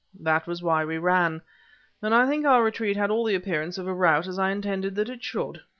"That was why we ran. But I think our retreat had all the appearance of a rout, as I intended that it should.